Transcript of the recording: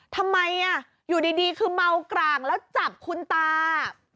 ทำไมอยู่ดีคือเมากร่างแล้วจับคุณตา